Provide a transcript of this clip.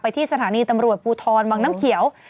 ที่สถานีตำรวจภูทรวังน้ำเขียว